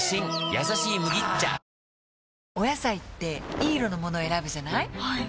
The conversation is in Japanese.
「やさしい麦茶」お野菜っていい色のもの選ぶじゃない？